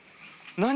何？